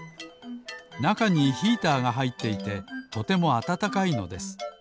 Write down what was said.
なかにヒーターがはいっていてとてもあたたかいのです。